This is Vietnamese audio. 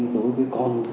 đối với con